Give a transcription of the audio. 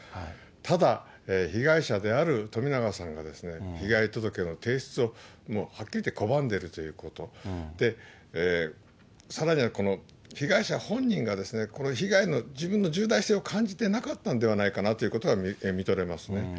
ただ、被害者である冨永さんが被害届の提出をはっきり言って拒んでいるということ、さらにはこの被害者本人が、この被害の、自分の重大性を感じてなかったんではないかなということが読み取れますね。